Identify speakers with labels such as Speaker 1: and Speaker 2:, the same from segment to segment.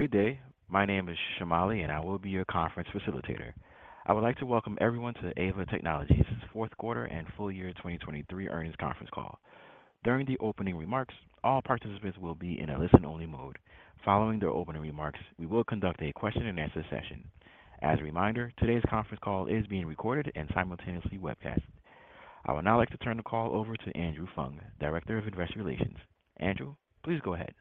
Speaker 1: Good day. My name is Shamali, and I will be your conference facilitator. I would like to welcome everyone to the Aeva Technologies' fourth quarter and full year 2023 earnings conference call. During the opening remarks, all participants will be in a listen-only mode. Following the opening remarks, we will conduct a question-and-answer session. As a reminder, today's conference call is being recorded and simultaneously webcast. I would now like to turn the call over to Andrew Fung, Director of Investor Relations. Andrew, please go ahead.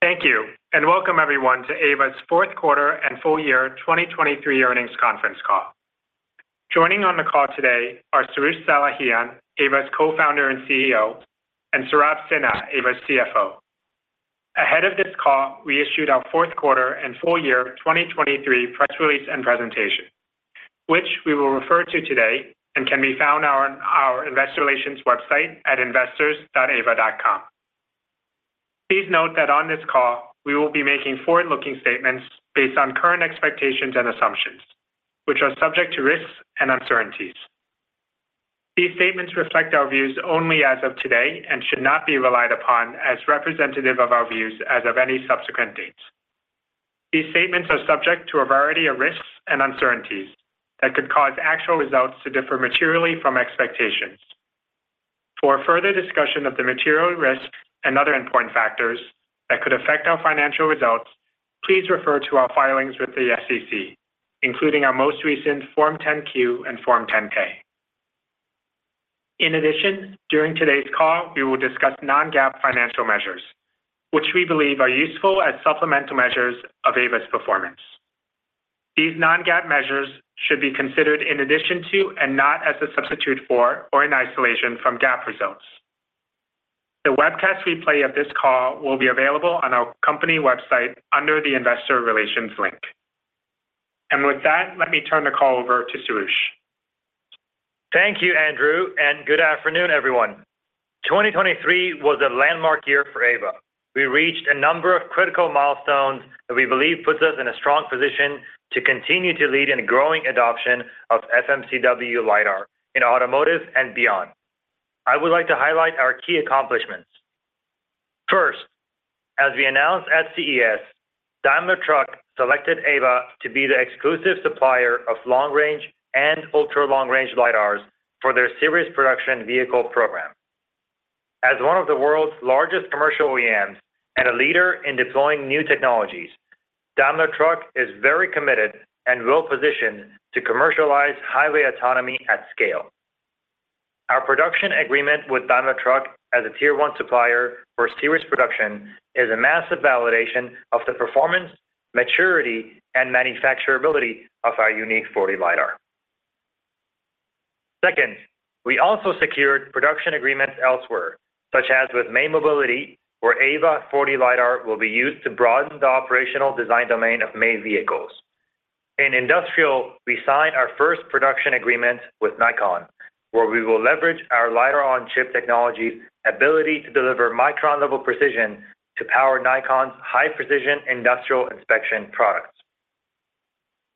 Speaker 2: Thank you, and welcome everyone to Aeva's fourth quarter and full year 2023 earnings conference call. Joining on the call today are Soroush Salehian, Aeva's Co-founder and CEO, and Saurabh Sinha, Aeva's CFO. Ahead of this call, we issued our fourth quarter and full year 2023 press release and presentation, which we will refer to today and can be found on our investor relations website at investors.aeva.com. Please note that on this call, we will be making forward-looking statements based on current expectations and assumptions, which are subject to risks and uncertainties. These statements reflect our views only as of today and should not be relied upon as representative of our views as of any subsequent dates. These statements are subject to a variety of risks and uncertainties that could cause actual results to differ materially from expectations. For a further discussion of the material risks and other important factors that could affect our financial results, please refer to our filings with the SEC, including our most recent Form 10-Q and Form 10-K. In addition, during today's call, we will discuss non-GAAP financial measures, which we believe are useful as supplemental measures of Aeva's performance. These non-GAAP measures should be considered in addition to, and not as a substitute for or in isolation from GAAP results. The webcast replay of this call will be available on our company website under the Investor Relations link. With that, let me turn the call over to Soroush.
Speaker 3: Thank you, Andrew, and good afternoon, everyone. 2023 was a landmark year for Aeva. We reached a number of critical milestones that we believe puts us in a strong position to continue to lead in a growing adoption of FMCW LiDAR in automotive and beyond. I would like to highlight our key accomplishments. First, as we announced at CES, Daimler Truck selected Aeva to be the exclusive supplier of long-range and ultra-long-range LiDARs for their series production vehicle program. As one of the world's largest commercial OEMs and a leader in deploying new technologies, Daimler Truck is very committed and well-positioned to commercialize highway autonomy at scale. Our production agreement with Daimler Truck as a Tier 1 supplier for series production is a massive validation of the performance, maturity, and manufacturability of our unique 4D LiDAR. Second, we also secured production agreements elsewhere, such as with May Mobility, where Aeva 4D LiDAR will be used to broaden the operational design domain of May vehicles. In industrial, we signed our first production agreement with Nikon, where we will leverage our LiDAR-on-chip technology's ability to deliver micron-level precision to power Nikon's high-precision industrial inspection products.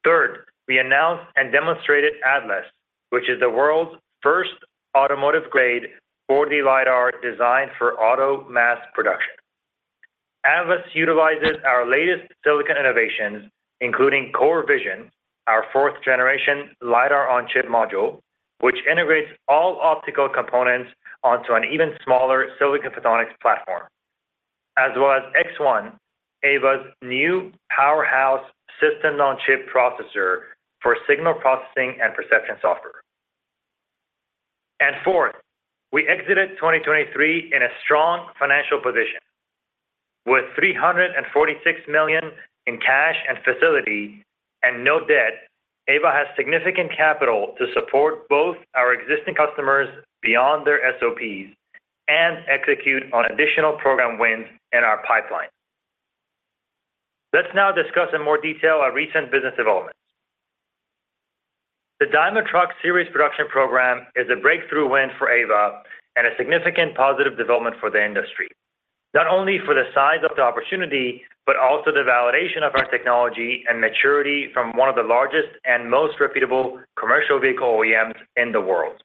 Speaker 3: Third, we announced and demonstrated Atlas, which is the world's first automotive-grade 4D LiDAR designed for auto mass production. Atlas utilizes our latest silicon innovations, including CoreVision, our fourth generation LiDAR-on-chip module, which integrates all optical components onto an even smaller silicon photonics platform, as well as X1, Aeva's new powerhouse system-on-chip processor for signal processing and perception software. And fourth, we exited 2023 in a strong financial position. With $346 million in cash and facility and no debt, Aeva has significant capital to support both our existing customers beyond their SOPs and execute on additional program wins in our pipeline. Let's now discuss in more detail our recent business developments. The Daimler Truck series production program is a breakthrough win for Aeva and a significant positive development for the industry, not only for the size of the opportunity, but also the validation of our technology and maturity from one of the largest and most reputable commercial vehicle OEMs in the world.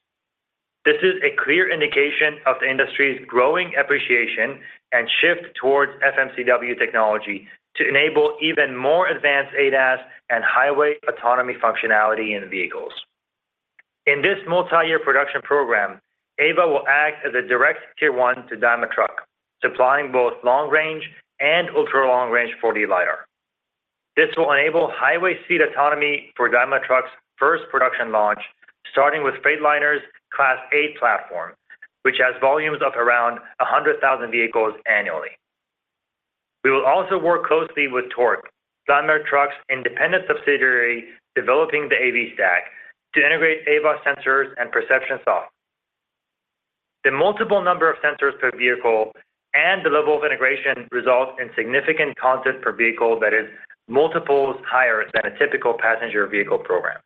Speaker 3: This is a clear indication of the industry's growing appreciation and shift towards FMCW technology to enable even more advanced ADAS and highway autonomy functionality in vehicles. In this multi-year production program, Aeva will act as a direct Tier 1 to Daimler Truck, supplying both long-range and ultra-long-range 4D LiDAR. This will enable highway speed autonomy for Daimler Truck's first production launch, starting with Freightliner's Class 8 platform, which has volumes of around 100,000 vehicles annually. We will also work closely with Torc, Daimler Truck's independent subsidiary, developing the AV stack, to integrate Aeva's sensors and perception software. The multiple number of sensors per vehicle and the level of integration result in significant content per vehicle that is multiples higher than a typical passenger vehicle program.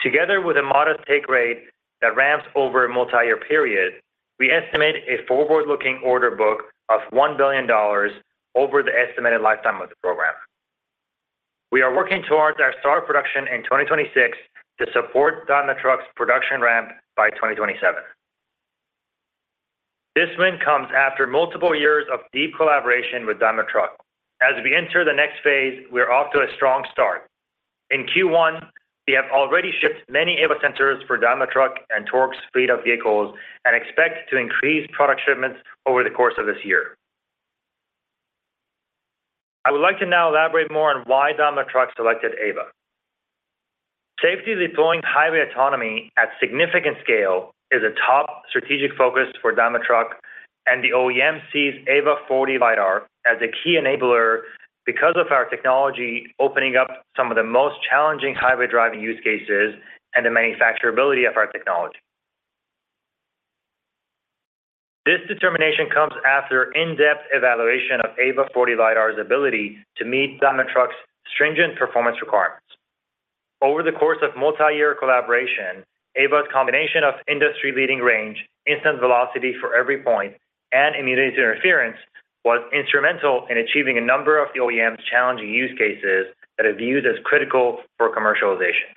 Speaker 3: Together with a modest take rate that ramps over a multi-year period, we estimate a forward-looking order book of $1 billion over the estimated lifetime of the program. We are working towards our start of production in 2026 to support Daimler Truck's production ramp by 2027. This win comes after multiple years of deep collaboration with Daimler Truck. As we enter the next phase, we're off to a strong start. In Q1, we have already shipped many Aeva sensors for Daimler Truck and Torc's fleet of vehicles, and expect to increase product shipments over the course of this year. I would like to now elaborate more on why Daimler Truck selected Aeva. Safely deploying highway autonomy at significant scale is a top strategic focus for Daimler Truck, and the OEM sees Aeva 4D LiDAR as a key enabler because of our technology, opening up some of the most challenging highway driving use cases and the manufacturability of our technology. This determination comes after in-depth evaluation of Aeva 4D LiDAR's ability to meet Daimler Truck's stringent performance requirements. Over the course of multi-year collaboration, Aeva's combination of industry-leading range, instant velocity for every point, and immunity to interference, was instrumental in achieving a number of the OEM's challenging use cases that are viewed as critical for commercialization.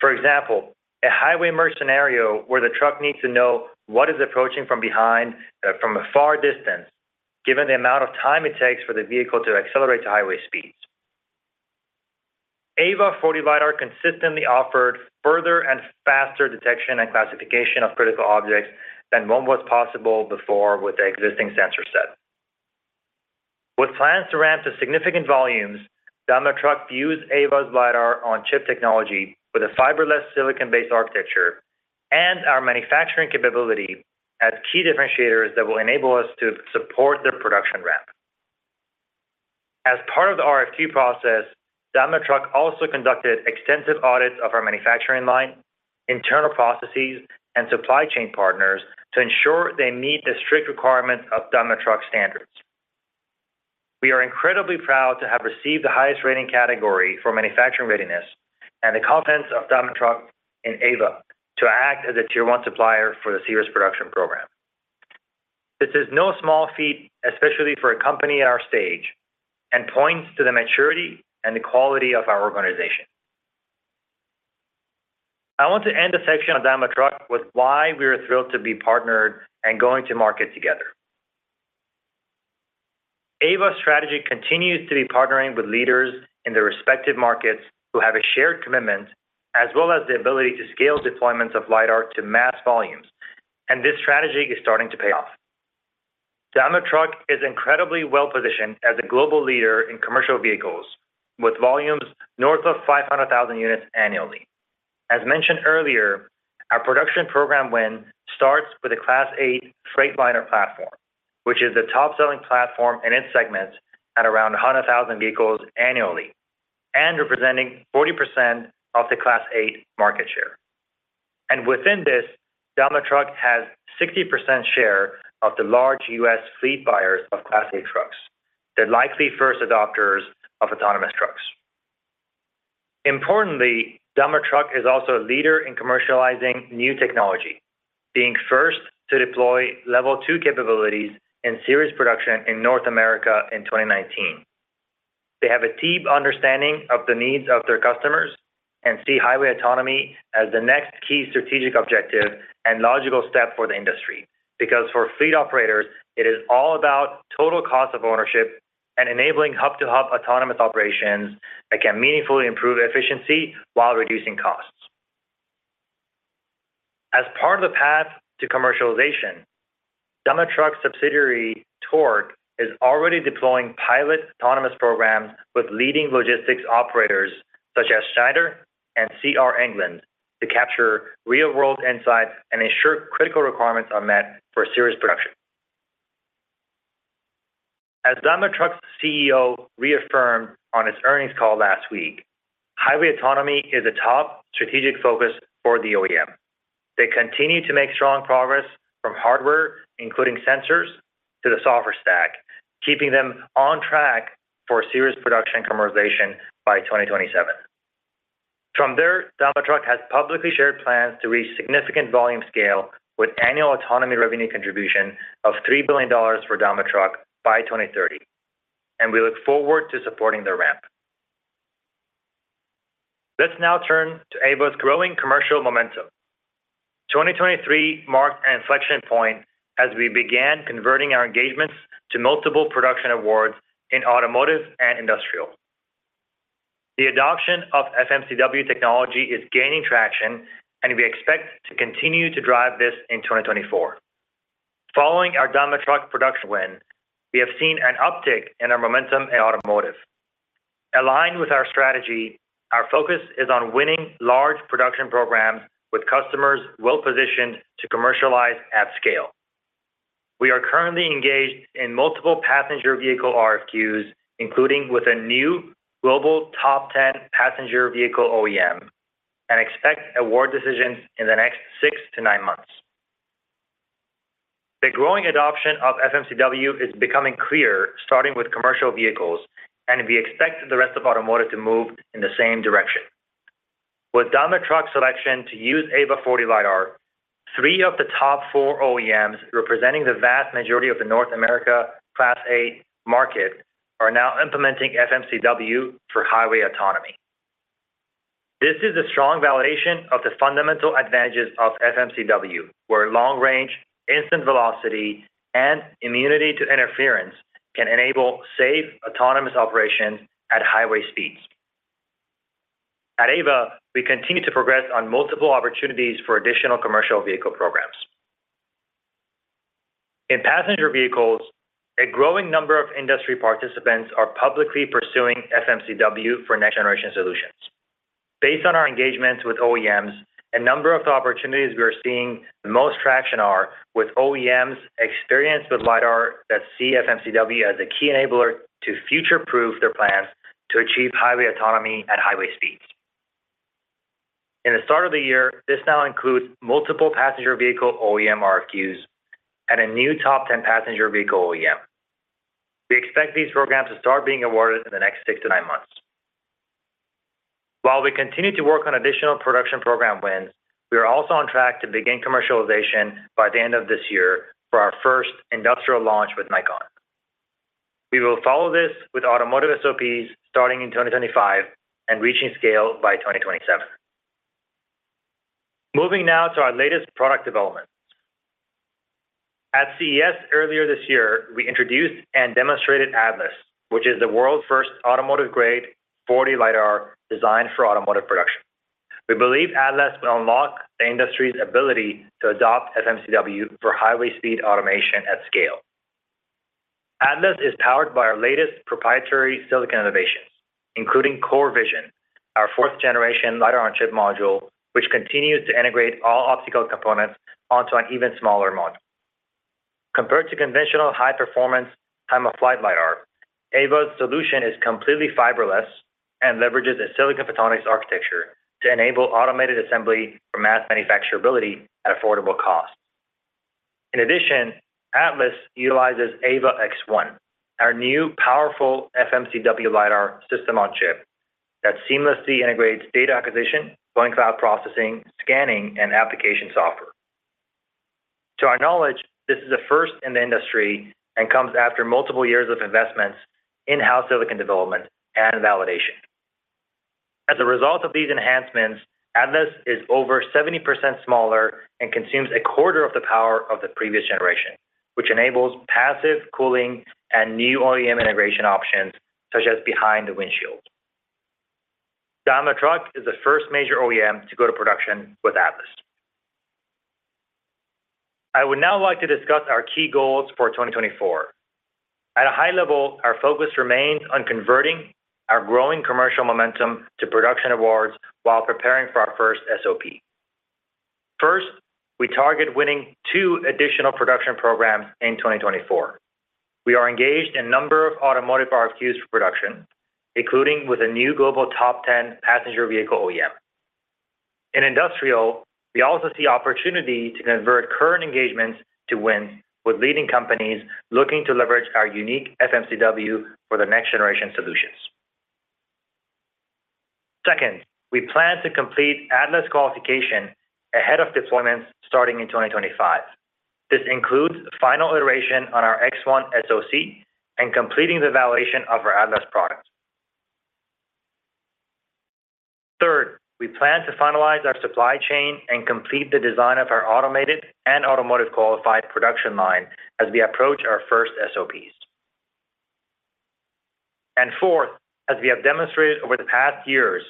Speaker 3: For example, a highway merge scenario where the truck needs to know what is approaching from behind, from a far distance, given the amount of time it takes for the vehicle to accelerate to highway speeds. Aeva 4D LiDAR consistently offered further and faster detection and classification of critical objects than what was possible before with the existing sensor set. With plans to ramp to significant volumes, Daimler Truck views Aeva's LiDAR-on-chip technology with a fiberless silicon-based architecture and our manufacturing capability as key differentiators that will enable us to support their production ramp. As part of the RFQ process, Daimler Truck also conducted extensive audits of our manufacturing line, internal processes, and supply chain partners to ensure they meet the strict requirements of Daimler Truck standards. We are incredibly proud to have received the highest rating category for manufacturing readiness and the confidence of Daimler Truck in Aeva to act as a tier one supplier for the series production program. This is no small feat, especially for a company at our stage, and points to the maturity and the quality of our organization. I want to end the section on Daimler Truck with why we are thrilled to be partnered and going to market together. Aeva's strategy continues to be partnering with leaders in their respective markets who have a shared commitment, as well as the ability to scale deployments of LiDAR to mass volumes, and this strategy is starting to pay off. Daimler Truck is incredibly well-positioned as a global leader in commercial vehicles, with volumes north of 500,000 units annually. As mentioned earlier, our production program win starts with a Class 8 Freightliner platform, which is the top-selling platform in its segment at around 100,000 vehicles annually and representing 40% of the Class 8 market share. Within this, Daimler Truck has 60% share of the large US fleet buyers of Class 8 trucks, the likely first adopters of autonomous trucks. Importantly, Daimler Truck is also a leader in commercializing new technology, being first to deploy Level 2 capabilities in series production in North America in 2019. They have a deep understanding of the needs of their customers and see highway autonomy as the next key strategic objective and logical step for the industry. Because for fleet operators, it is all about total cost of ownership and enabling hub-to-hub autonomous operations that can meaningfully improve efficiency while reducing costs. As part of the path to commercialization, Daimler Truck subsidiary, Torc, is already deploying pilot autonomous programs with leading logistics operators such as Schneider and C.R. England, to capture real-world insights and ensure critical requirements are met for serious production. As Daimler Truck's CEO reaffirmed on its earnings call last week, highway autonomy is a top strategic focus for the OEM. They continue to make strong progress from hardware, including sensors, to the software stack, keeping them on track for serious production and commercialization by 2027. From there, Daimler Truck has publicly shared plans to reach significant volume scale with annual autonomy revenue contribution of $3 billion for Daimler Truck by 2030, and we look forward to supporting their ramp. Let's now turn to Aeva's growing commercial momentum. 2023 marked an inflection point as we began converting our engagements to multiple production awards in automotive and industrial. The adoption of FMCW technology is gaining traction, and we expect to continue to drive this in 2024. Following our Daimler Truck production win, we have seen an uptick in our momentum in automotive. Aligned with our strategy, our focus is on winning large production programs with customers well positioned to commercialize at scale. We are currently engaged in multiple passenger vehicle RFQs, including with a new global top 10 passenger vehicle OEM, and expect award decisions in the next 6-9 months. The growing adoption of FMCW is becoming clear, starting with commercial vehicles, and we expect the rest of automotive to move in the same direction. With Daimler Truck's selection to use Aeva 4D LiDAR, three of the top four OEMs, representing the vast majority of the North America Class 8 market, are now implementing FMCW for highway autonomy. This is a strong validation of the fundamental advantages of FMCW, where long range, instant velocity, and immunity to interference can enable safe, autonomous operation at highway speeds. At Aeva, we continue to progress on multiple opportunities for additional commercial vehicle programs. In passenger vehicles, a growing number of industry participants are publicly pursuing FMCW for next-generation solutions. Based on our engagements with OEMs, a number of the opportunities we are seeing the most traction are with OEMs experienced with LiDAR that see FMCW as a key enabler to future-proof their plans to achieve highway autonomy at highway speeds. At the start of the year, this now includes multiple passenger vehicle OEM RFQs and a new top ten passenger vehicle OEM. We expect these programs to start being awarded in the next 6-9 months. While we continue to work on additional production program wins, we are also on track to begin commercialization by the end of this year for our first industrial launch with Nikon. We will follow this with automotive SOPs starting in 2025 and reaching scale by 2027. Moving now to our latest product developments. At CES earlier this year, we introduced and demonstrated Atlas, which is the world's first automotive-grade 4D LiDAR designed for automotive production. We believe Atlas will unlock the industry's ability to adopt FMCW for high-speed automation at scale. Atlas is powered by our latest proprietary silicon innovations, including CoreVision, our fourth generation LiDAR-on-chip module, which continues to integrate all optical components onto an even smaller module. Compared to conventional high-performance time-of-flight LiDAR, Aeva's solution is completely fiberless and leverages a silicon photonics architecture to enable automated assembly for mass manufacturability at affordable cost. In addition, Atlas utilizes Aeva X1, our new powerful FMCW LiDAR system-on-chip that seamlessly integrates data acquisition, point cloud processing, scanning, and application software. To our knowledge, this is a first in the industry and comes after multiple years of investments in-house silicon development and validation. As a result of these enhancements, Atlas is over 70% smaller and consumes a quarter of the power of the previous generation, which enables passive cooling and new OEM integration options, such as behind the windshield. Daimler Truck is the first major OEM to go to production with Atlas. I would now like to discuss our key goals for 2024. At a high level, our focus remains on converting our growing commercial momentum to production awards while preparing for our first SOP. First, we target winning two additional production programs in 2024. We are engaged in a number of automotive RFQs for production, including with a new global top ten passenger vehicle OEM. In industrial, we also see opportunity to convert current engagements to wins with leading companies looking to leverage our unique FMCW for the next-generation solutions. Second, we plan to complete Atlas qualification ahead of deployments starting in 2025. This includes the final iteration on our X1 SoC and completing the validation of our Atlas products. Third, we plan to finalize our supply chain and complete the design of our automated and automotive-qualified production line as we approach our first SOPs. And fourth, as we have demonstrated over the past years,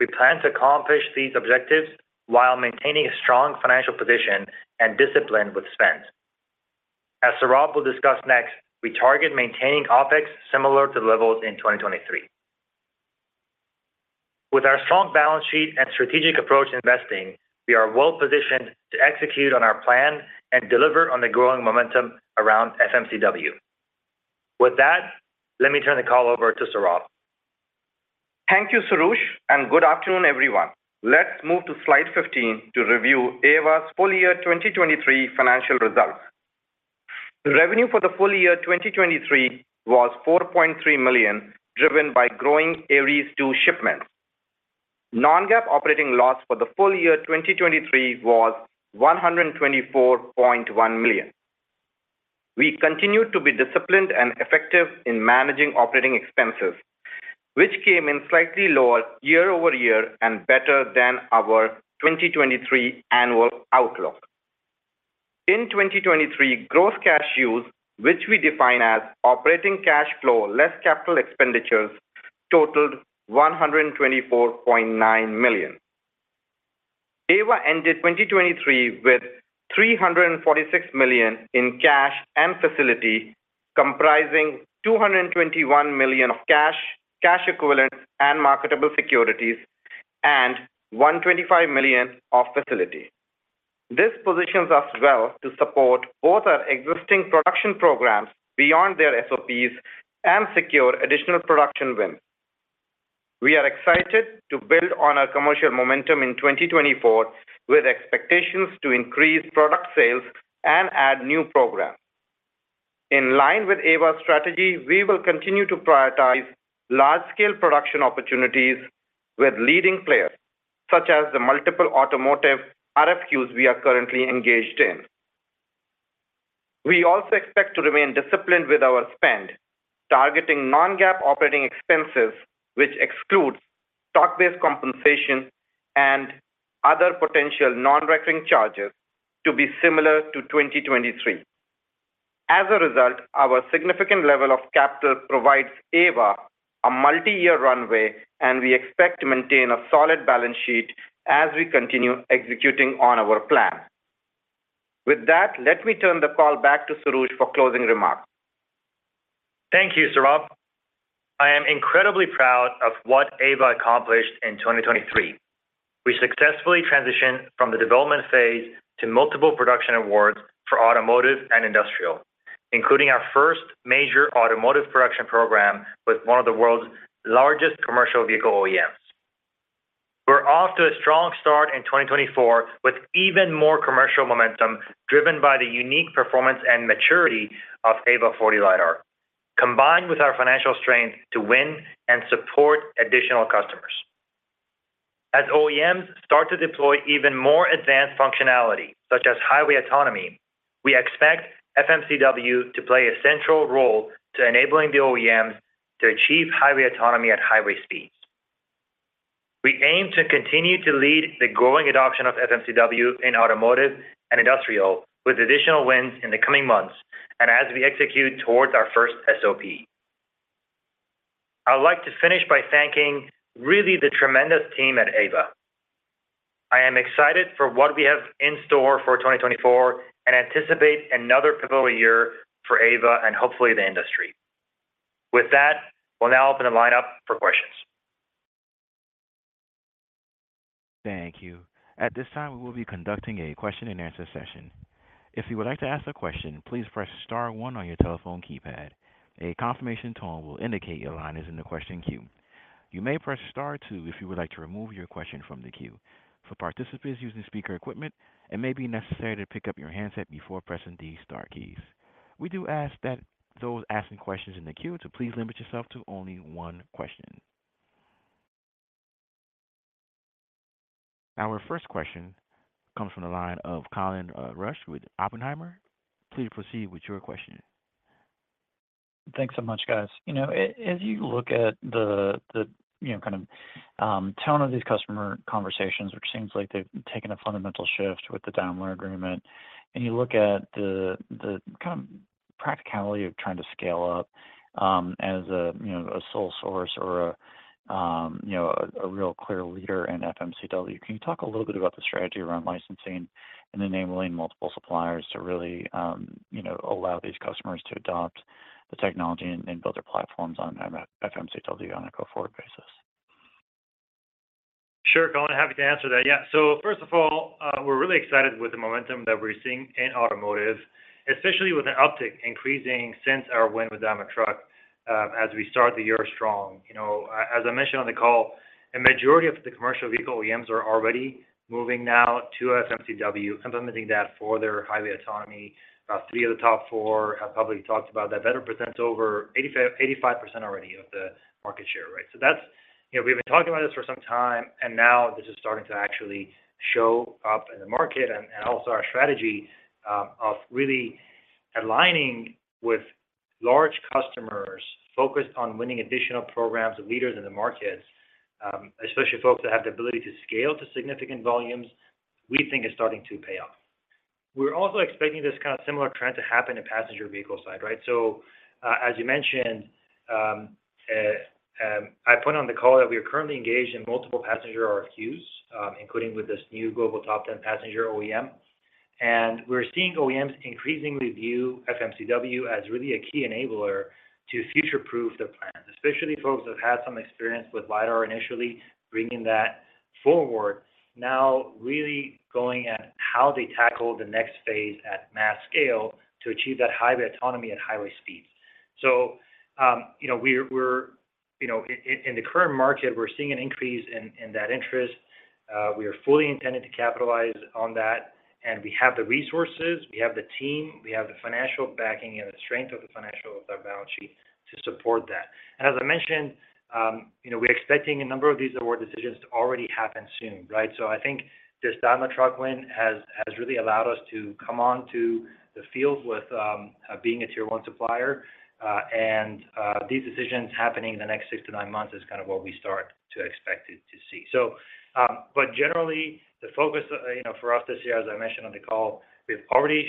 Speaker 3: we plan to accomplish these objectives while maintaining a strong financial position and discipline with spend. As Saurabh will discuss next, we target maintaining OpEx similar to levels in 2023. With our strong balance sheet and strategic approach to investing, we are well positioned to execute on our plan and deliver on the growing momentum around FMCW. With that, let me turn the call over to Saurabh.
Speaker 4: Thank you, Soroush, and good afternoon, everyone. Let's move to slide 15 to review Aeva's full year 2023 financial results. The revenue for the full year 2023 was $4.3 million, driven by growing Aeries II shipments. Non-GAAP operating loss for the full year 2023 was $124.1 million. We continued to be disciplined and effective in managing operating expenses, which came in slightly lower year-over-year and better than our 2023 annual outlook. In 2023, gross cash use, which we define as operating cash flow less capital expenditures, totaled $124.9 million. Aeva ended 2023 with $346 million in cash and facility, comprising $221 million of cash, cash equivalents, and marketable securities, and $125 million of facility. This positions us well to support both our existing production programs beyond their SOPs and secure additional production wins. We are excited to build on our commercial momentum in 2024, with expectations to increase product sales and add new programs.... In line with Aeva's strategy, we will continue to prioritize large-scale production opportunities with leading players, such as the multiple automotive RFQs we are currently engaged in. We also expect to remain disciplined with our spend, targeting non-GAAP operating expenses, which excludes stock-based compensation and other potential non-recurring charges, to be similar to 2023. As a result, our significant level of capital provides Aeva a multi-year runway, and we expect to maintain a solid balance sheet as we continue executing on our plan. With that, let me turn the call back to Soroush for closing remarks.
Speaker 3: Thank you, Saurabh. I am incredibly proud of what Aeva accomplished in 2023. We successfully transitioned from the development phase to multiple production awards for automotive and industrial, including our first major automotive production program with one of the world's largest commercial vehicle OEMs. We're off to a strong start in 2024, with even more commercial momentum, driven by the unique performance and maturity of Aeva 4D LiDAR, combined with our financial strength to win and support additional customers. As OEMs start to deploy even more advanced functionality, such as highway autonomy, we expect FMCW to play a central role to enabling the OEMs to achieve highway autonomy at highway speeds. We aim to continue to lead the growing adoption of FMCW in automotive and industrial, with additional wins in the coming months and as we execute towards our first SOP. I'd like to finish by thanking, really, the tremendous team at Aeva. I am excited for what we have in store for 2024 and anticipate another pivotal year for Aeva and hopefully the industry. With that, we'll now open the line up for questions.
Speaker 1: Thank you. At this time, we will be conducting a question and answer session. If you would like to ask a question, please press star one on your telephone keypad. A confirmation tone will indicate your line is in the question queue. You may press star two if you would like to remove your question from the queue. For participants using speaker equipment, it may be necessary to pick up your handset before pressing the star keys. We do ask that those asking questions in the queue to please limit yourself to only one question. Our first question comes from the line of Colin Rusch with Oppenheimer. Please proceed with your question.
Speaker 5: Thanks so much, guys. You know, as you look at the, the, you know, kind of, tone of these customer conversations, which seems like they've taken a fundamental shift with the Daimler agreement, and you look at the, the kind of practicality of trying to scale up, as a, you know, a sole source or a, you know, a real clear leader in FMCW. Can you talk a little bit about the strategy around licensing and enabling multiple suppliers to really, you know, allow these customers to adopt the technology and, and build their platforms on FMCW on a go-forward basis?
Speaker 3: Sure, Colin. Happy to answer that. Yeah. So first of all, we're really excited with the momentum that we're seeing in automotive, especially with an uptick increasing since our win with Daimler Truck, as we start the year strong. You know, as I mentioned on the call, a majority of the commercial vehicle OEMs are already moving now to FMCW, implementing that for their high-level autonomy. About three of the top four have publicly talked about that. That represents over 85% already of the market share, right? So that's, you know, we've been talking about this for some time, and now this is starting to actually show up in the market and also our strategy of really aligning with large customers focused on winning additional programs and leaders in the market, especially folks that have the ability to scale to significant volumes, we think is starting to pay off. We're also expecting this kind of similar trend to happen in passenger vehicle side, right? So, as you mentioned, I put on the call that we are currently engaged in multiple passenger RFQs, including with this new global top ten passenger OEM. We're seeing OEMs increasingly view FMCW as really a key enabler to future-proof their plans, especially folks who have had some experience with LiDAR initially, bringing that forward, now really going at how they tackle the next phase at mass scale to achieve that highway autonomy at highway speeds. So, you know, we're you know, in the current market, we're seeing an increase in that interest. We are fully intended to capitalize on that, and we have the resources, we have the team, we have the financial backing and the strength of the financial balance sheet to support that. As I mentioned, you know, we're expecting a number of these award decisions to already happen soon, right? So I think this Daimler Truck win has really allowed us to come on to the field with being a Tier 1 supplier, and these decisions happening in the next six to nine months is kind of what we start to expect to see. So, but generally, the focus, you know, for us this year, as I mentioned on the call, we've already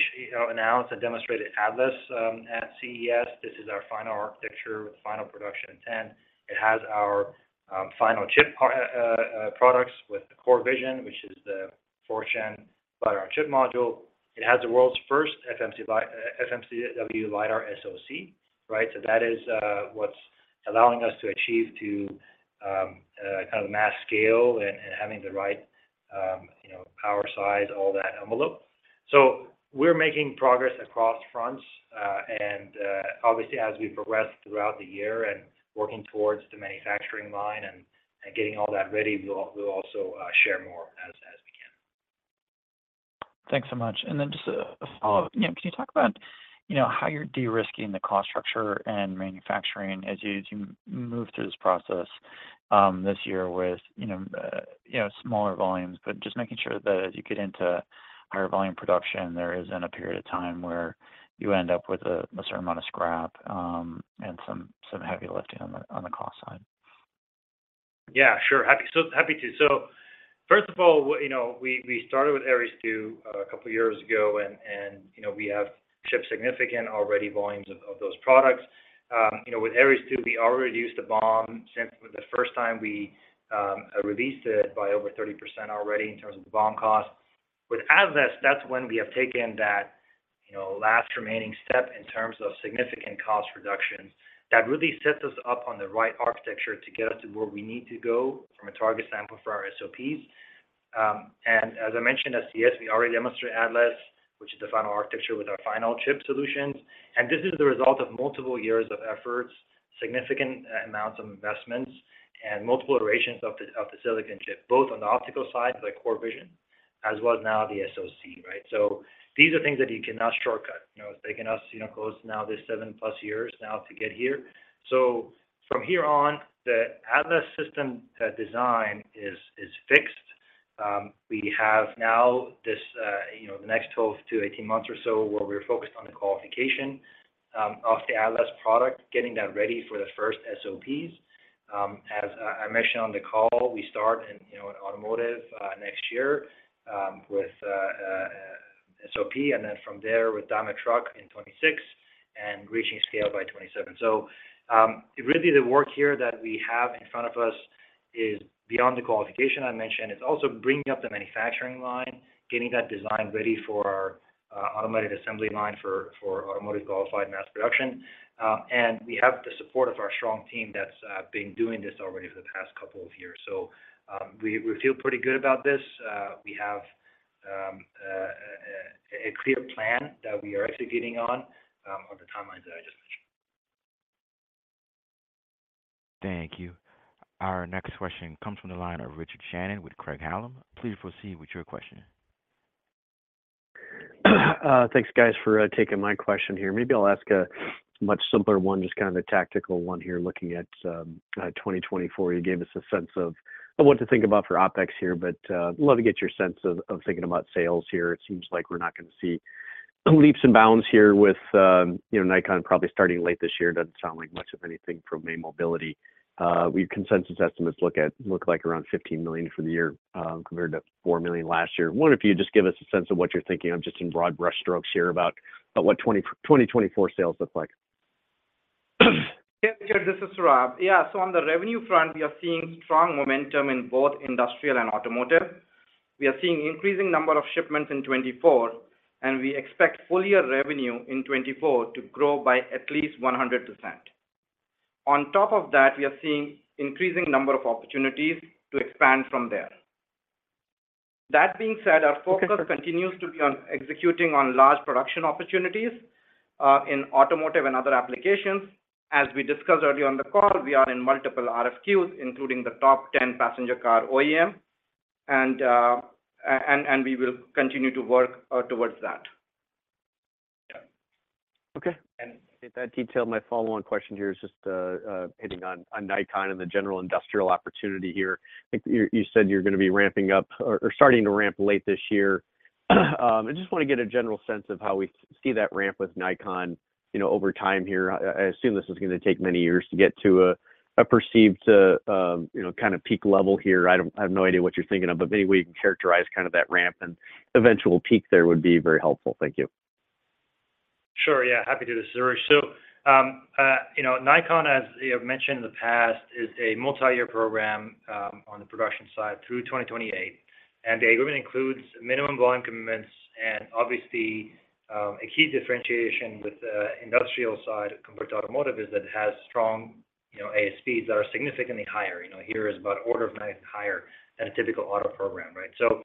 Speaker 3: announced and demonstrated Atlas at CES. This is our final architecture with final production intent. It has our final chip products with CoreVision, which is the fourth gen LiDAR chip module. It has the world's first FMCW LiDAR SoC, right? So that is what's allowing us to achieve to kind of mass scale and having the right, you know, power, size, all that envelope. So we're making progress across fronts, and obviously, as we progress throughout the year and working towards the manufacturing line and getting all that ready, we'll also share more as we can.
Speaker 5: Thanks so much. Then just a follow-up. You know, can you talk about, you know, how you're de-risking the cost structure and manufacturing as you move through this process this year with, you know, you know, smaller volumes, but just making sure that as you get into higher volume production, there isn't a period of time where you end up with a certain amount of scrap, and some heavy lifting on the cost side?
Speaker 3: Yeah, sure. Happy, so happy to. So first of all, you know, we, we started with Aeries II a couple of years ago, and, and, you know, we have shipped significant already volumes of, of those products. You know, with Aeries II, we already reduced the BOM since the first time we, released it by over 30% already in terms of the BOM cost. With Atlas, that's when we have taken that, you know, last remaining step in terms of significant cost reductions. That really sets us up on the right architecture to get us to where we need to go from a target sample for our SOPs. As I mentioned, at CES, we already demonstrated Atlas, which is the final architecture with our final chip solutions, and this is the result of multiple years of efforts, significant amounts of investments, and multiple iterations of the silicon chip, both on the optical side, like CoreVision, as well as now the SoC, right? So these are things that you cannot shortcut. You know, it's taken us, you know, close to now this 7+ years now to get here. So from here on, the Atlas system design is fixed. We have now this, you know, the next 12-18 months or so, where we're focused on the qualification of the Atlas product, getting that ready for the first SOPs. As I mentioned on the call, we start in, you know, in automotive, next year, with SOP, and then from there with Daimler Truck in 2026 and reaching scale by 2027. So, really the work here that we have in front of us is beyond the qualification I mentioned. It's also bringing up the manufacturing line, getting that design ready for our automated assembly line for automotive qualified mass production. And we have the support of our strong team that's been doing this already for the past couple of years. So, we feel pretty good about this. We have a clear plan that we are executing on the timelines that I just mentioned.
Speaker 1: Thank you. Our next question comes from the line of Richard Shannon with Craig-Hallum. Please proceed with your question.
Speaker 6: Thanks, guys, for taking my question here. Maybe I'll ask a much simpler one, just kind of a tactical one here, looking at 2024. You gave us a sense of what to think about for OpEx here, but love to get your sense of thinking about sales here. It seems like we're not going to see leaps and bounds here with, you know, Nikon probably starting late this year. Doesn't sound like much of anything from May Mobility. Consensus estimates look like around $15 million for the year, compared to $4 million last year. Wonder if you could just give us a sense of what you're thinking of, just in broad brush strokes here, about what 2024 sales look like.
Speaker 4: Yeah, sure. This is Saurabh. Yeah. So on the revenue front, we are seeing strong momentum in both industrial and automotive. We are seeing increasing number of shipments in 2024, and we expect full year revenue in 2024 to grow by at least 100%. On top of that, we are seeing increasing number of opportunities to expand from there. That being said, our focus continues to be on executing on large production opportunities in automotive and other applications. As we discussed earlier on the call, we are in multiple RFQs, including the top 10 passenger car OEM, and we will continue to work towards that.
Speaker 6: Okay. And get that detail. My follow-on question here is just hitting on Nikon and the general industrial opportunity here. I think you said you're going to be ramping up or starting to ramp late this year. I just want to get a general sense of how we see that ramp with Nikon, you know, over time here. I assume this is going to take many years to get to a perceived, you know, kind of peak level here. I don't. I have no idea what you're thinking of, but any way you can characterize kind of that ramp and eventual peak there would be very helpful. Thank you.
Speaker 3: Sure. Yeah, happy to do this, Richard. So, you know, Nikon, as you have mentioned in the past, is a multi-year program, on the production side through 2028, and the agreement includes minimum volume commitments. And obviously, a key differentiation with the industrial side compared to automotive is that it has strong, you know, ASPs that are significantly higher. You know, here is about order of magnitude higher than a typical auto program, right? So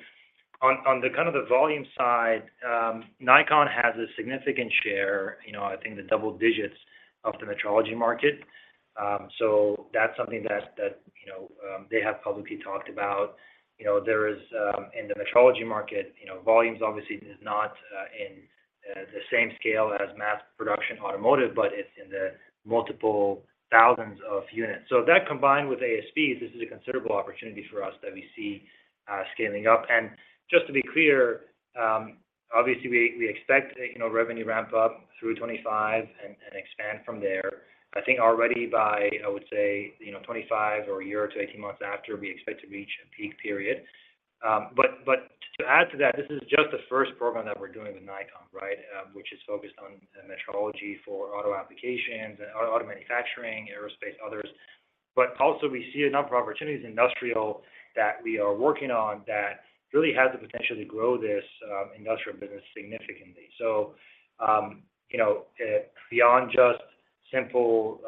Speaker 3: on the kind of the volume side, Nikon has a significant share, you know, I think the double digits of the metrology market. So that's something that, you know, they have publicly talked about. You know, there is in the metrology market, you know, volumes obviously is not in the same scale as mass production automotive, but it's in the multiple thousands of units. So that combined with ASPs, this is a considerable opportunity for us that we see scaling up. And just to be clear, obviously, we expect, you know, revenue ramp up through 2025 and expand from there. I think already by, I would say, you know, 2025 or a year to 18 months after we expect to reach a peak period. But to add to that, this is just the first program that we're doing with Nikon, right? Which is focused on the metrology for auto applications and auto manufacturing, aerospace, others. But also we see a number of opportunities in industrial that we are working on that really has the potential to grow this industrial business significantly. So, you know, beyond just simple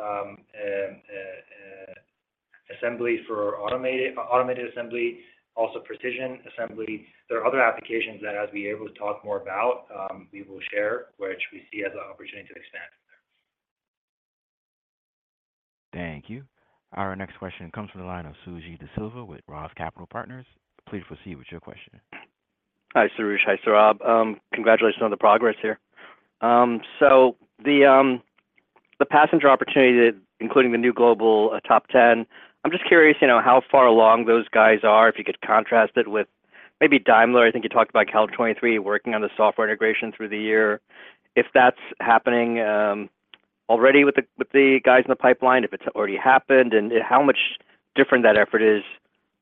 Speaker 3: assembly for automated assembly, also precision assembly, there are other applications that as we are able to talk more about, we will share, which we see as an opportunity to expand.
Speaker 1: Thank you. Our next question comes from the line of Suji Desilva with Roth Capital Partners. Please proceed with your question.
Speaker 7: Hi, Soroush. Hi, Saurabh. Congratulations on the progress here. So the passenger opportunity, including the new global top 10, I'm just curious, you know, how far along those guys are, if you could contrast it with maybe Daimler. I think you talked about Q1 2023 working on the software integration through the year, if that's happening already with the guys in the pipeline, if it's already happened, and how much different that effort is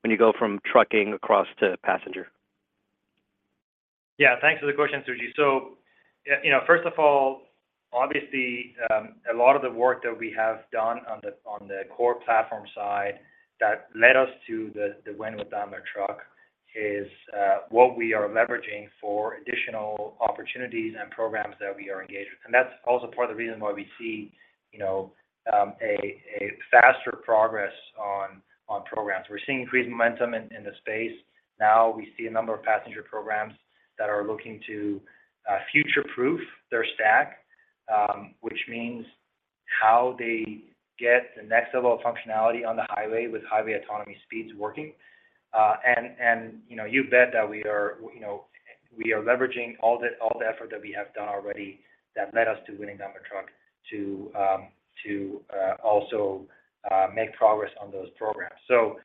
Speaker 7: when you go from trucking across to passenger?
Speaker 3: Yeah, thanks for the question, Suji. So, you know, first of all, obviously, a lot of the work that we have done on the core platform side that led us to the win with Daimler Truck is what we are leveraging for additional opportunities and programs that we are engaged with. And that's also part of the reason why we see, you know, a faster progress on programs. We're seeing increased momentum in the space now. We see a number of passenger programs that are looking to future-proof their stack, which means how they get the next level of functionality on the highway with highway autonomy speeds working. And, you know, you bet that we are, you know, we are leveraging all the effort that we have done already that led us to winning Daimler Truck to also make progress on those programs. So,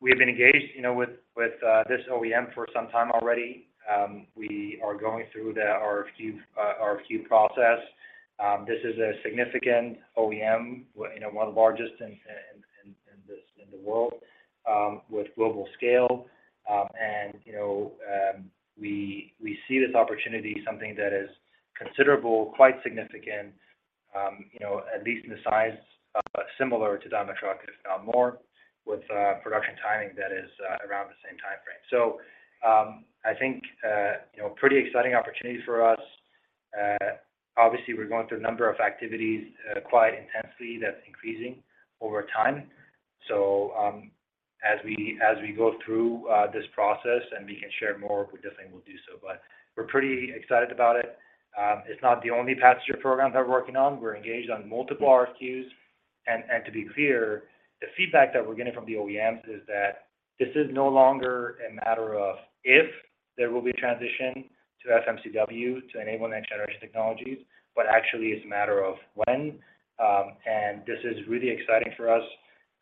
Speaker 3: we have been engaged, you know, with this OEM for some time already. We are going through the RFQ process. This is a significant OEM, you know, one of the largest in the world, with global scale. And, you know, we see this opportunity, something that is considerable, quite significant, you know, at least in the size similar to Daimler Truck, if not more, with production timing that is around the same time frame. So, I think, you know, pretty exciting opportunity for us. Obviously, we're going through a number of activities, quite intensely. That's increasing over time. So, as we, as we go through, this process and we can share more, we definitely will do so, but we're pretty excited about it. It's not the only passenger program that we're working on. We're engaged on multiple RFQs. And, and to be clear, the feedback that we're getting from the OEMs is that this is no longer a matter of if there will be a transition to FMCW to enable next generation technologies, but actually it's a matter of when. And this is really exciting for us,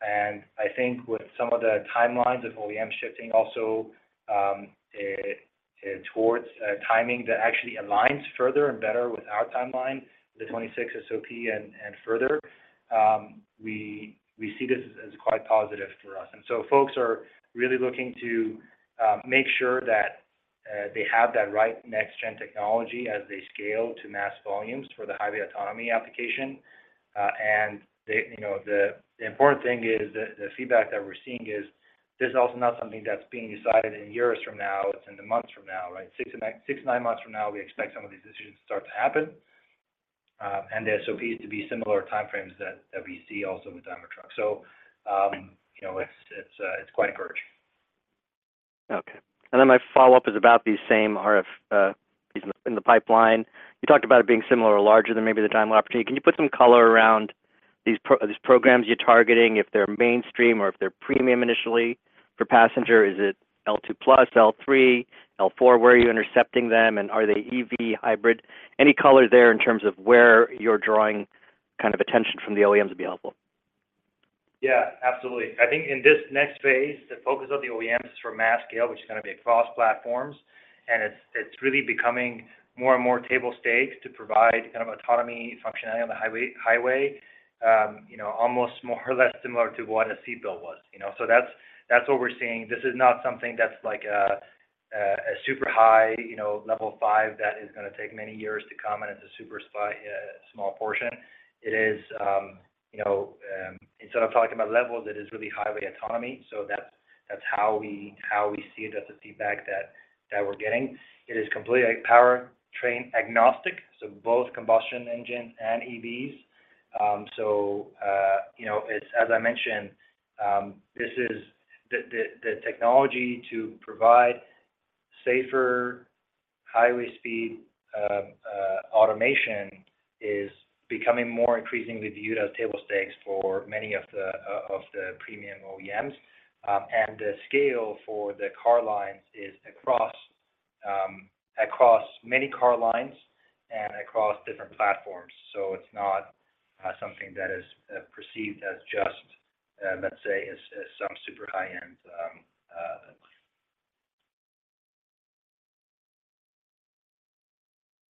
Speaker 3: and I think with some of the timelines of OEMs shifting also, towards timing, that actually aligns further and better with our timeline, the 2026 SOP and further, we see this as quite positive for us. And so folks are really looking to make sure that they have that right next-gen technology as they scale to mass volumes for the highway autonomy application. And they, you know, the important thing is that the feedback that we're seeing is this is also not something that's being decided in years from now. It's in the months from now, right? 6-9, 6-9 months from now, we expect some of these decisions to start to happen. And the SOP is to be similar time frames that we see also with Daimler Truck. So, you know, it's quite encouraging.
Speaker 7: Okay. And then my follow-up is about the same RF in the pipeline. You talked about it being similar or larger than maybe the Daimler opportunity. Can you put some color around these programs you're targeting, if they're mainstream or if they're premium initially for passenger? Is it L2 plus, L3, L4? Where are you intercepting them, and are they EV hybrid? Any color there in terms of where you're drawing kind of attention from the OEMs would be helpful.
Speaker 3: Yeah, absolutely. I think in this next phase, the focus of the OEMs is for mass scale, which is going to be across platforms, and it's, it's really becoming more and more table stakes to provide kind of autonomy functionality on the highway, you know, almost more or less similar to what a seat belt was, you know? So that's, that's what we're seeing. This is not something that's like a, a, a super high, you know, level five that is gonna take many years to come, and it's a super small portion. It is, you know, instead of talking about levels, it is really highway autonomy. So that's, that's how we, how we see it as the feedback that, that we're getting. It is completely powertrain agnostic, so both combustion engine and EVs. So, you know, it's, as I mentioned, this is the technology to provide safer highway speed automation is becoming more increasingly viewed as table stakes for many of the premium OEMs. And the scale for the car lines is across many car lines and across different platforms. So it's not something that is perceived as just, let's say, as some super high-end.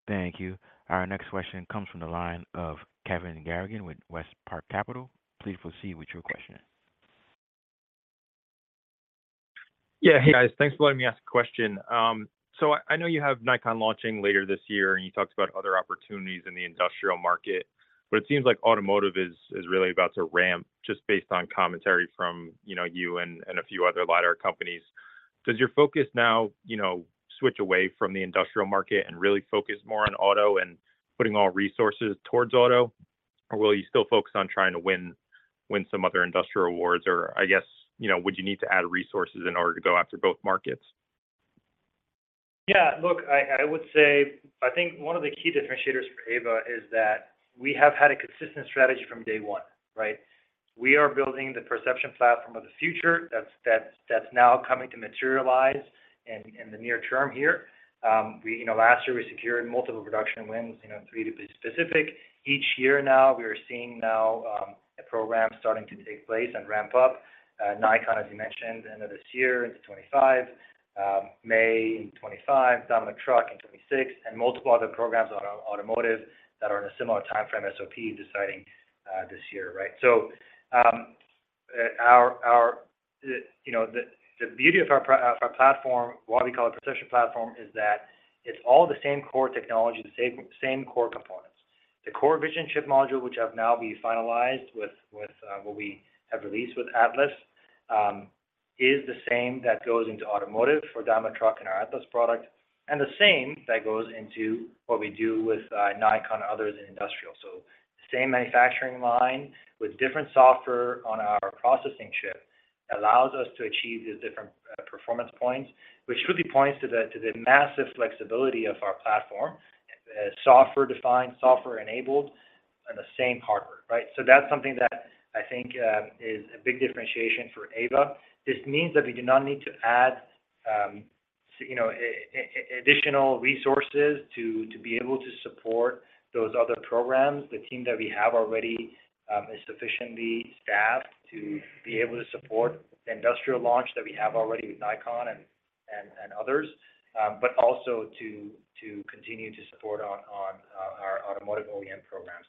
Speaker 1: Thank you. Our next question comes from the line of Kevin Garrigan with West Park Capital. Please proceed with your question.
Speaker 8: Yeah. Hey, guys. Thanks for letting me ask a question. So I know you have Nikon launching later this year, and you talked about other opportunities in the industrial market, but it seems like automotive is really about to ramp just based on commentary from, you know, you and a few other LiDAR companies. Does your focus now, you know, switch away from the industrial market and really focus more on auto and putting all resources towards auto, or will you still focus on trying to win some other industrial awards? Or I guess, you know, would you need to add resources in order to go after both markets?
Speaker 3: Yeah, look, I, I would say I think one of the key differentiators for Aeva is that we have had a consistent strategy from day one, right? We are building the perception platform of the future that's now coming to materialize in the near term here. We, you know, last year we secured multiple production wins, you know, 3 to be specific. Each year now, we are seeing now a program starting to take place and ramp up. Nikon, as you mentioned, end of this year into 2025, May Mobility in 2025, Daimler Truck in 2026, and multiple other programs on automotive that are in a similar timeframe, SOP deciding this year, right? So, you know, the beauty of our platform, why we call it perception platform, is that it's all the same core technology, the same core components. The CoreVision chip module, which have now been finalized with what we have released with Atlas, is the same that goes into automotive for Daimler Truck and our Atlas product, and the same that goes into what we do with Nikon and others in industrial. So same manufacturing line with different software on our processing chip allows us to achieve the different performance points, which really points to the massive flexibility of our platform, software-defined, software-enabled, and the same hardware, right? So that's something that I think is a big differentiation for Aeva. This means that we do not need to add, you know, additional resources to be able to support those other programs. The team that we have already is sufficiently staffed to be able to support the industrial launch that we have already with Nikon and others, but also to continue to support on our automotive OEM programs.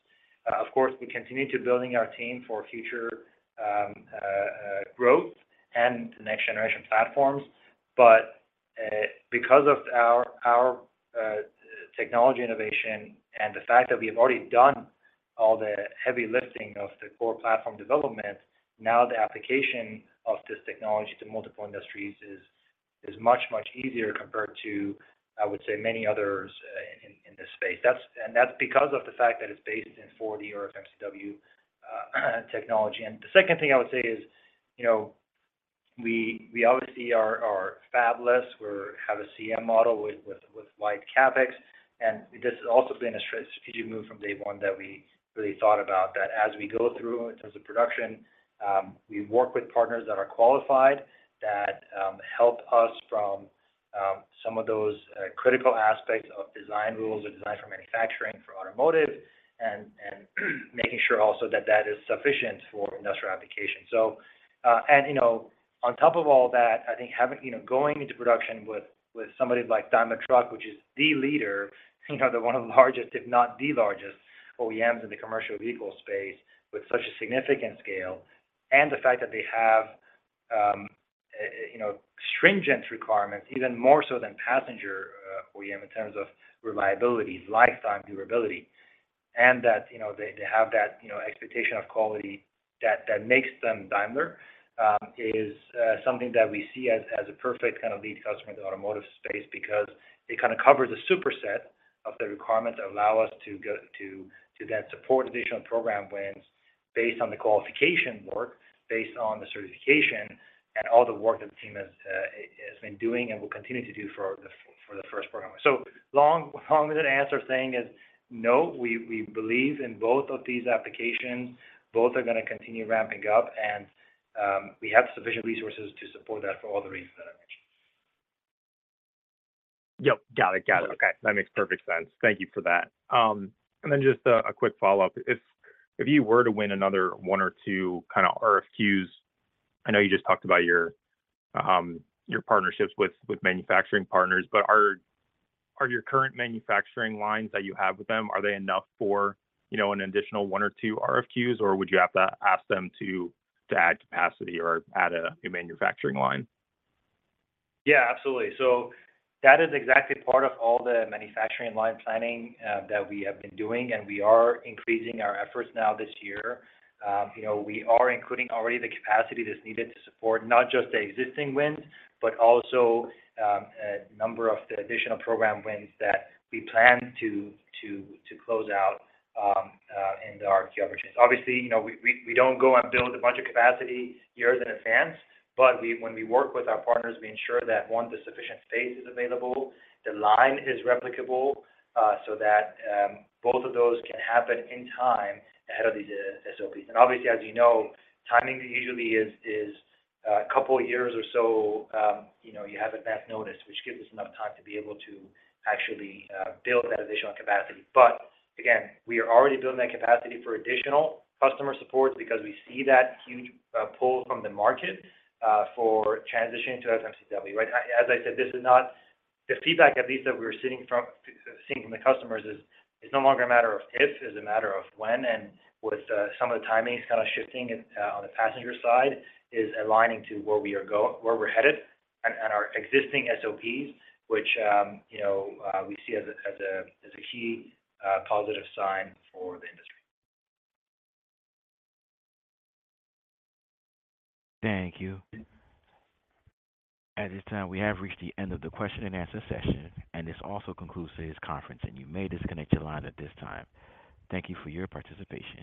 Speaker 3: Of course, we continue to building our team for future growth and next generation platforms, but because of our technology innovation and the fact that we've already done all the heavy lifting of the core platform development, now the application of this technology to multiple industries is much easier compared to, I would say, many others in this space. That's, and that's because of the fact that it's based on the FMCW technology. And the second thing I would say is, you know, we obviously are fabless. We have a CM model with light CapEx, and this has also been a strategic move from day one that we really thought about, that as we go through in terms of production, we work with partners that are qualified, that help us from some of those critical aspects of design rules or design for manufacturing, for automotive, and making sure also that that is sufficient for industrial application. So, you know, on top of all that, I think having, you know, going into production with somebody like Daimler Truck, which is the leader, you know, they're one of the largest, if not the largest, OEMs in the commercial vehicle space with such a significant scale. The fact that they have, you know, stringent requirements, even more so than passenger OEM, in terms of reliability, lifetime durability, and that, you know, they, they have that, you know, expectation of quality that, that makes them Daimler, is something that we see as a perfect kind of lead customer in the automotive space because it kind of covers a superset of the requirements that allow us to go to, to that support additional program wins based on the qualification work, based on the certification and all the work that the team has been doing and will continue to do for the, for the first program. So long, long-winded answer saying is, no, we, we believe in both of these applications. Both are gonna continue ramping up, and we have sufficient resources to support that for all the reasons that I mentioned.
Speaker 8: Yep, got it. Got it. Okay, that makes perfect sense. Thank you for that. And then just a quick follow-up. If you were to win another one or two kind of RFQs, I know you just talked about your partnerships with manufacturing partners, but are your current manufacturing lines that you have with them enough for, you know, an additional one or two RFQs, or would you have to ask them to add capacity or add a manufacturing line?
Speaker 3: Yeah, absolutely. So that is exactly part of all the manufacturing line planning that we have been doing, and we are increasing our efforts now this year. You know, we are including already the capacity that's needed to support not just the existing wins, but also a number of the additional program wins that we plan to close out in the RFQ opportunities. Obviously, you know, we don't go and build a bunch of capacity years in advance, but when we work with our partners, we ensure that, one, the sufficient space is available, the line is replicable, so that both of those can happen in time ahead of these SOPs. And obviously, as you know, timing usually is a couple of years or so, you know, you have advance notice, which gives us enough time to be able to actually build that additional capacity. But again, we are already building that capacity for additional customer support because we see that huge pull from the market for transitioning to FMCW, right? As I said, this is not the feedback at least that we're seeing from the customers is, it's no longer a matter of if, it's a matter of when. And with some of the timings kind of shifting on the passenger side, is aligning to where we're headed and our existing SOPs, which, you know, we see as a key positive sign for the industry.
Speaker 1: Thank you. At this time, we have reached the end of the question and answer session, and this also concludes today's conference, and you may disconnect your line at this time. Thank you for your participation.